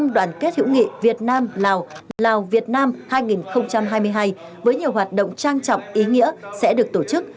đoàn kết hữu nghị việt nam lào lào việt nam hai nghìn hai mươi hai với nhiều hoạt động trang trọng ý nghĩa sẽ được tổ chức